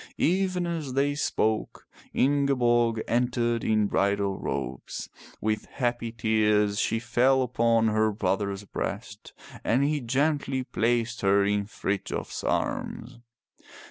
Even as they spoke Ingeborg entered in bridal robes. With happy tears she fell upon her brother's breast and he gently placed her in Frithjof's arms.